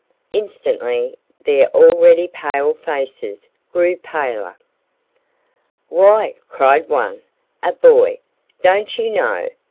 Instantly their already pale faces grew paler. "Why," cried one, a boy, "don't you know?